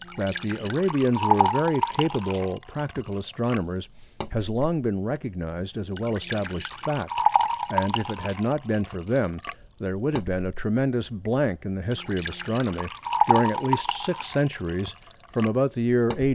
That the Arabians were very capable practical astronomers has long been recognised as a well established fact, and if it had not been for them there would have been a tremendous blank in the history of astronomy during at least six centuries from about the year A.